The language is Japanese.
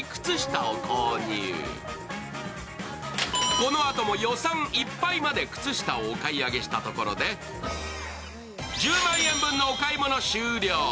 このあとも予算いっぱいまで靴下をお買い上げしたところで１０万円分のお買い物終了。